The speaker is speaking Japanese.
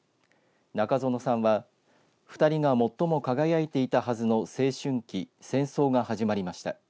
中園さんは、２人が最も輝いていたはずの青春期戦争が始まりました。